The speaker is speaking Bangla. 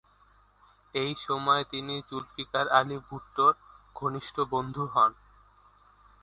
এই সময়ে তিনি জুলফিকার আলী ভুট্টোর ঘনিষ্ঠ বন্ধু হন।